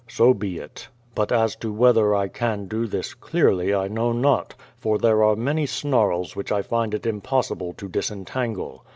So be it. But as to whether I can do this clearly I know not, for there are many snarls which I may find it impossible to disentangle.